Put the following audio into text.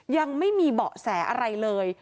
ยังไม่มีเบาะแสอะไรเลย